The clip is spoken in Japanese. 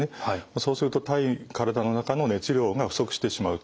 そうすると体の中の熱量が不足してしまうと。